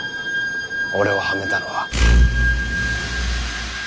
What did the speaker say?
俺をはめたのは。